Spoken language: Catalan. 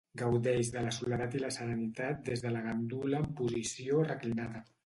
Gaudeix de la soledat i la serenitat des de la gandula en posició reclinada.